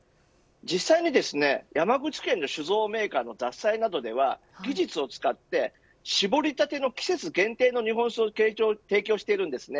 実際にですね山口県の酒造メーカーの獺祭などでは技術を使ってしぼりたての季節限定の日本酒を提供しているんです。